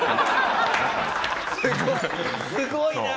すごい！